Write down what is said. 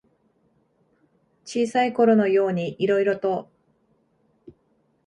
小さいころのようにいろいろと。